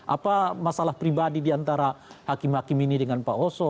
apa masalah pribadi diantara hakim hakim ini dengan pak oso